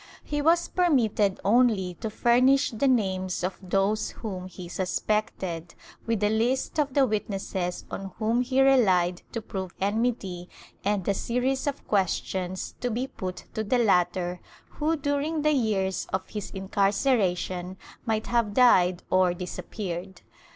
He was permitted only to furnish the names of those whom he suspected, with a list of the witnesses on whom he relied to prove enmity and a series of questions to be put to the latter who, dm ing the years of his incarceration might have died or disappeared.